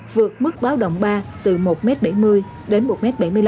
vượt mức báo động ba từ một bảy mươi m đến một bảy mươi năm m